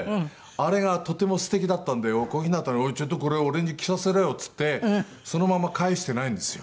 あれがとても素敵だったんで小日向に「おい！ちょっとこれ俺に着させろよ」っつってそのまんま返してないんですよ。